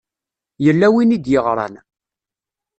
Yella win i d-yeɣṛan.